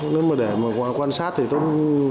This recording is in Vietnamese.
nếu mà để mà quan sát thì tôi